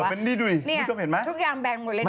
เออนี่ดูดิไม่ชอบเห็นไหมมันจะตายไหมนี่ทุกอย่างแบงก์หมดเลยนะคะ